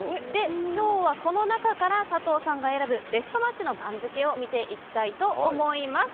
今日はこの中から佐藤さんが選ぶベストマッチの番付を見ていきたいと思います。